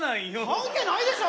関係ないでしょ